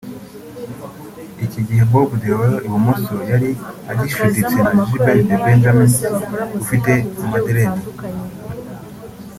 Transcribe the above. Iki gihe Bob Deol (ibumoso) yari agishuditse na Gilbert The Benjamin (ufite ama deredi)